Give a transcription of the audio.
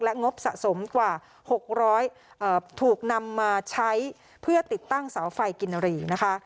งบสะสมกว่า๖๐๐ถูกนำมาใช้เพื่อติดตั้งเสาไฟกินรีนะคะ